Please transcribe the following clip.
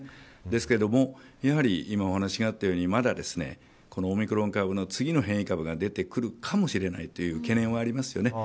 ですけども今お話があったようにまだオミクロン株の次の変異株が出てくるかもしれないという懸念はありますよね。